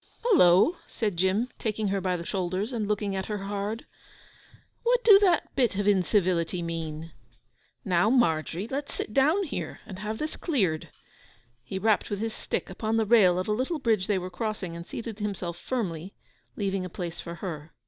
'Hullo,' said Jim, taking her by the shoulders, and looking at her hard. 'What dew that bit of incivility mean? Now, Margery, let's sit down here, and have this cleared.' He rapped with his stick upon the rail of a little bridge they were crossing, and seated himself firmly, leaving a place for her.